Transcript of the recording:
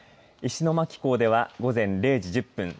石巻港では午前０時１０分